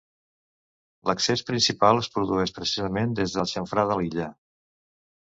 L'accés principal es produeix, precisament, des del xamfrà de l'illa.